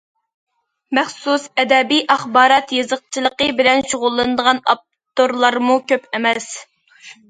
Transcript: مەخسۇس ئەدەبىي ئاخبارات يېزىقچىلىقى بىلەن شۇغۇللىنىدىغان ئاپتورلارمۇ كۆپ ئەمەس.